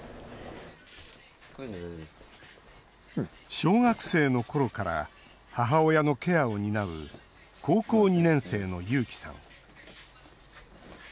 小学生のころから母親のケアを担う高校２年生の優輝さん。